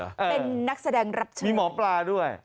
เป็นนักแสดงรับเชิญมีหมอปลาด้วย